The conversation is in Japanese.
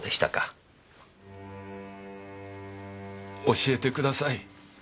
教えてください。